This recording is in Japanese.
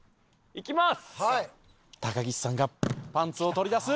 いきます！